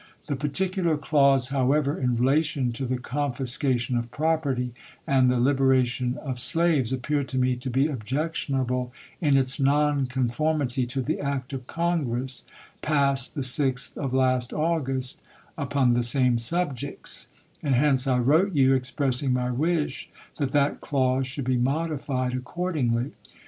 The particular clause, however, in relation to the confiscation of property and the liberation of slaves appeared to me to be objectionable in its non conformity to the act of Congress passed the 6th of last August upon the same subjects ; and hence I wrote you, expressing my wish that that clause should be modified accordingly.